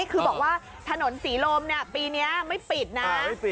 คือบอกว่าถนนศรีลมปีนี้ไม่ปิดนะ